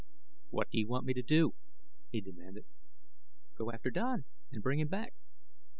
"What do you want me to do?" he demanded. "Go after Don and bring him back."